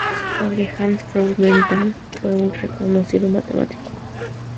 Su padre, Hans Freudenthal, fue un reconocido matemático.